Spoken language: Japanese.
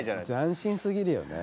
斬新すぎるよね。